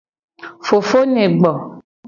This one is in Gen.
Fofonye gbo.